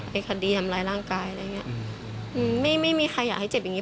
คดีทำร้ายร่างกายอะไรอย่างเงี้ยอืมไม่ไม่มีใครอยากให้เจ็บอย่างงี